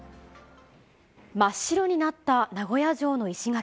真っ白になった名古屋城の石垣。